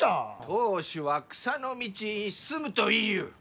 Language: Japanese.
当主は草の道に進むと言いゆう！